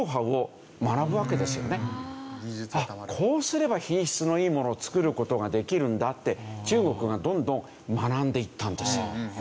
こうすれば品質のいいものを作る事ができるんだって中国がどんどん学んでいったんですよ。